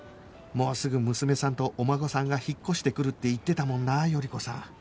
もうすぐ娘さんとお孫さんが引っ越してくるって言ってたもんな頼子さん